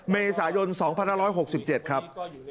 เมษายน๒๕๖๗ครับ